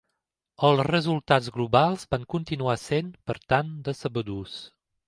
Els resultats globals van continuar sent, per tant, decebedors.